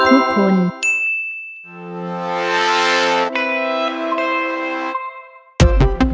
โปรดติดตามตอนต่อไป